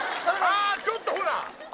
ああ、ちょっとほら。